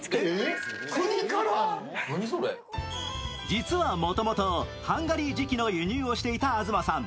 実はもともとハンガリー磁器の輸入をしていた東さん。